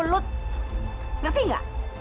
aku akan terus jaga kamu